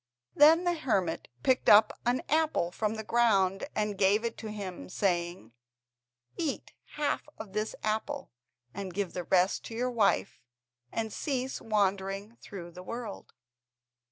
Then the hermit picked up an apple from the ground, and gave it to him, saying: "Eat half of this apple, and give the rest to your wife, and cease wandering through the world."